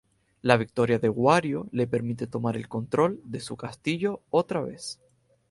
La victoria de Wario le permite tomar el control de su castillo otra vez.